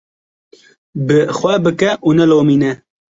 Bi xwe bike û nelomîne.